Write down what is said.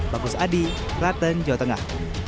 bagus adi klaten jawa tengah